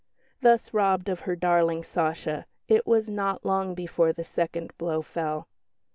Thus robbed of her darling "Sacha," it was not long before the second blow fell.